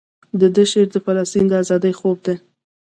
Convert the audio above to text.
دده شعر د فلسطین د ازادۍ خوب دی.